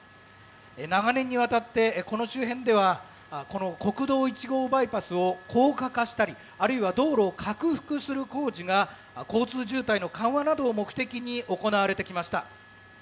長年にわたって、この周辺ではこの国道１号バイパスを高架化したりあるいは道路を拡幅する工事が交通渋滞の緩和などを目的に行われてきました。